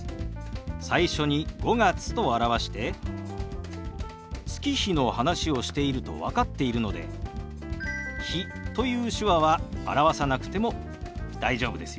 最初に「５月」と表して月日の話をしていると分かっているので「日」という手話は表さなくても大丈夫ですよ。